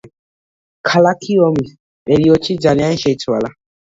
ქალაქი ომის პერიოდში ძალიან შეიცვალა.